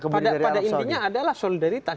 pada intinya adalah solidaritas